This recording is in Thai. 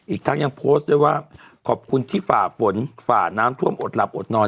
อีกทั้งยังโพสต์ด้วยว่าขอบคุณที่ฝ่าฝนฝ่าน้ำท่วมอดหลับอดนอน